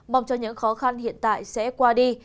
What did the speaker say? mong cho những khó khăn hiện tại sẽ qua đi